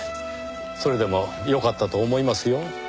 それでもよかったと思いますよ。